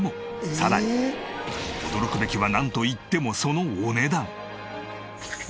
さらに驚くべきはなんといってもそのお値段！